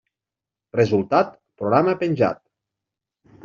Resultat: programa penjat.